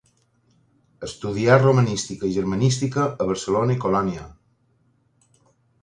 Estudià romanística i germanística a Barcelona i Colònia.